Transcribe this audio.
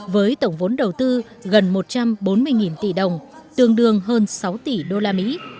với tổng vốn đầu tư gần một trăm bốn mươi tỷ đồng tương đương hơn sáu tỷ đô la mỹ